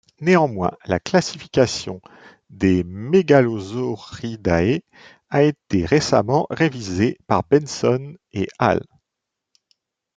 Néanmoins, la classification des Megalosauridae a été récemment révisée par Benson et al.